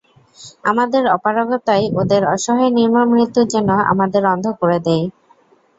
আমাদের অপারগতায় ওদের অসহায় নির্মম মৃত্যু যেন আমাদের অন্ধ করে দেয়।